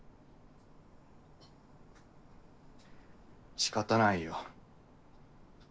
しかたないよ。